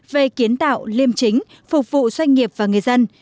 về kiến tạo liêm chính phục vụ doanh nghiệp và người dân